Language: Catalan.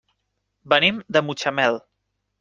Venim de Mutxamel.